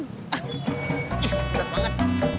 hah bener banget